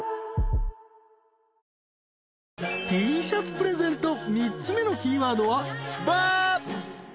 ［Ｔシャツプレゼント３つ目のキーワードは「ば」］